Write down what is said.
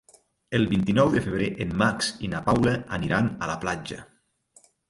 El vint-i-nou de febrer en Max i na Paula aniran a la platja.